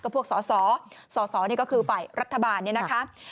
พวกสสนี่ก็คือฝ่ายรัฐบาลเนี่ยนะคะ